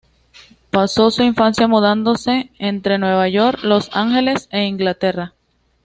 Pasó su infancia mudándose entre Nueva York, Los Ángeles e Inglaterra.